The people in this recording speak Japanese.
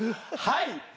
はい。